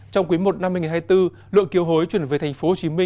trong quý i năm hai nghìn hai mươi bốn lượng kiều hối chuyển về tp hcm